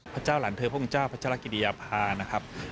พระเจ้าหลานเธอพวกคุณเจ้าพระเจ้ารักฤดีภานะครับ